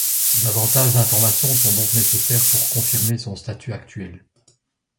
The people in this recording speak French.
Davantage d’informations sont donc nécessaires pour confirmer son statut actuel.